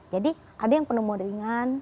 jadi ada yang pneumonia ringan